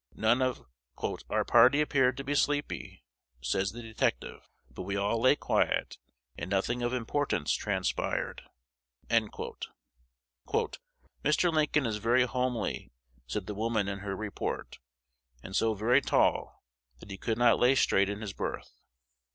None of "our party appeared to be sleepy," says the detective; "but we all lay quiet, and nothing of importance transpired." "Mr. Lincoln is very homely," said the woman in her "report," "and so very tall, that he could not lay straight in his berth."